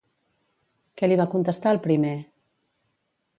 Què li va contestar el primer?